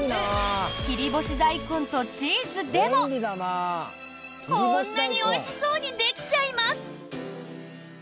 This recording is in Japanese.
切り干し大根とチーズでもこんなにおいしそうにできちゃいます。